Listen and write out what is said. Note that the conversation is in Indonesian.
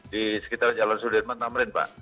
di sekitar jalan sudirman tamrin pak